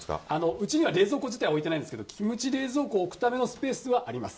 うちには冷蔵庫自体置いてないんですけど、キムチ冷蔵庫を置くスペースはあります。